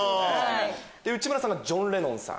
内村さんがジョン・レノンさん？